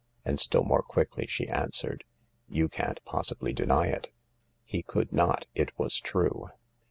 And still more quickly she answered: " You can't possibly deny it." He could not, it was true.